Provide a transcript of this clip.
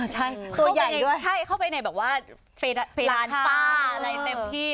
ใช่เข้าไปในแบบว่าเฟย์ร้านป้าอะไรเต็มที่